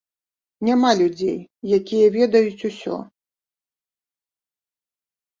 Няма людзей, якія ведаюць усё.